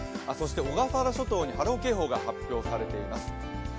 小笠原諸島に波浪警報が発表されています。